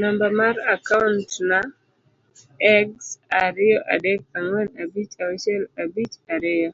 namba mar akaont na: egx ariyo adek ang'wen abich achiel abich ariyo